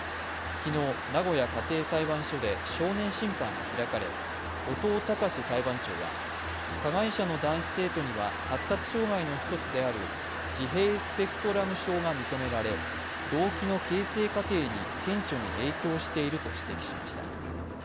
昨日、名古屋家庭裁判所で少年審判が開かれ後藤隆裁判長は加害者の男子生徒には発達障害の１つである自閉スペクトラム症が認められ動機の形成過程に顕著に影響していると指摘しました。